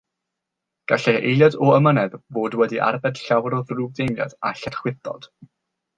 Gallai eiliad o amynedd fod wedi arbed llawer o ddrwgdeimlad a lletchwithdod